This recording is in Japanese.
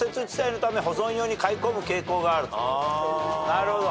なるほど。